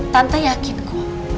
tante yakin kok